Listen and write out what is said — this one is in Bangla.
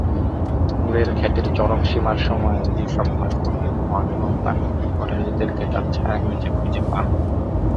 মুরের খ্যাতির চরম সীমার সময়ে যে সব ভাস্কর উদিত হন, এবং তার মৃত্যুর পরে, নিজেদেরকে তার ছায়ার নিচে খুঁজে পান।